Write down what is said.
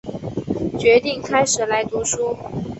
决定开始来读书